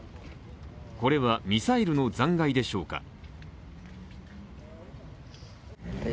これはミサイルの残骸でしょうか。